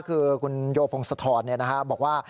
คือคุณโยพงศธรบอกว่า